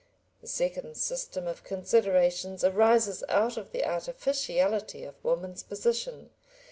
The second system of considerations arises out of the artificiality of woman's position.